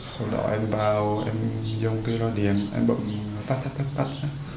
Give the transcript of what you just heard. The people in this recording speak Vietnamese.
sau đó em vào em dùng cái loa điện em bấm tắt tắt tắt tắt